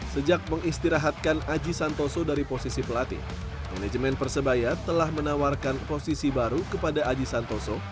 sejak mengistirahatkan aji santoso dari posisi pelatih manajemen persebaya telah menawarkan posisi baru kepada aji santoso